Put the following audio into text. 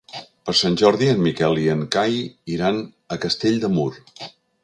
Per Sant Jordi en Miquel i en Cai iran a Castell de Mur.